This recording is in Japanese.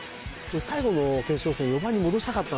最後の決勝戦４番に戻したかったんですよ。